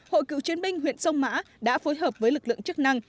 hội cựu chiến binh huyện sông mã đã phối hợp với lực lượng chức năng